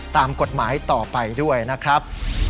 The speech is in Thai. ตามกฎหมายต่อไปด้วยนะครับ